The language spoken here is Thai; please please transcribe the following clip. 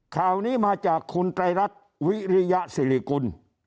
ข่าวนี้มาจากคุณไตรรัฐวิริยสิริกุล